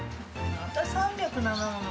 また３０７なの。